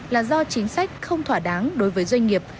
là do chính sách không thỏa đáng đối với doanh nghiệp